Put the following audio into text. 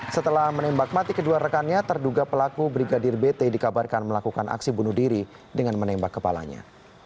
setelah menembak mati kedua rekannya terduga pelaku brigadir bt dikabarkan melakukan aksi bunuh diri dengan menembak kepalanya